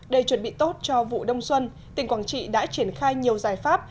để chuẩn bị tốt cho vụ đông xuân tỉnh quảng trị đã triển khai nhiều giải pháp